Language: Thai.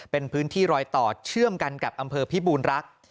เป็นพื้นที่รอยต่อเชื่อมกันกับอำเภอพิบูรณรักษ์